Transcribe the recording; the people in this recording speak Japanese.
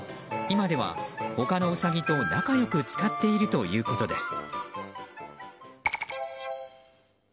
今では他のウサギと仲良く使っているということです。